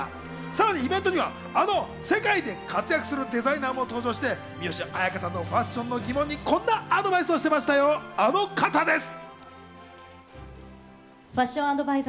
さらにイベントにはあの世界で活躍するデザイナーも登場して三吉彩花さんのファッションの疑問に、こんなアドバイスをしていました、あの方です。